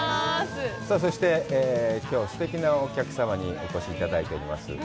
さあ、そして、きょうすてきなお客様にお越しいただいております。